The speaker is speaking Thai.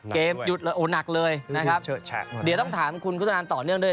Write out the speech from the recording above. หยุดเลยโอ้หนักเลยนะครับเดี๋ยวต้องถามคุณพุทธนันต่อเนื่องด้วย